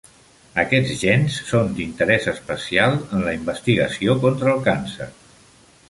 Aquests gens són d'interès especial en la investigació contra el càncer.